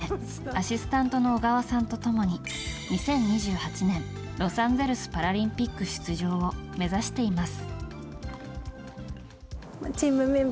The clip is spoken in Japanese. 去年の春からボッチャを練習し始めアシスタントの小川さんと共に２０２８年ロサンゼルスパラリンピック出場を目指しています。